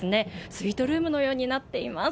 スイートルームのようになっています。